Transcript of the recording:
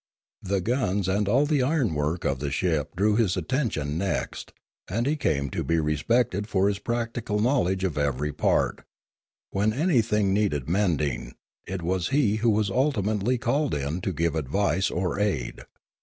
The guns and all the ironwork of the ship drew his attention next, and he came to be respected for his practical knowledge of every part; when anything needed mending, it was he who was ultimately called in to give advice or aid.